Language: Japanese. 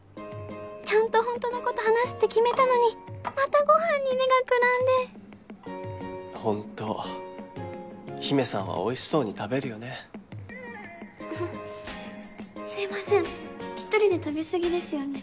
ちゃんとホントのこと話すって決めたのにまたご飯に目がくらんでホント陽芽さんはおいしそうに食べるよねすいません一人で食べすぎですよね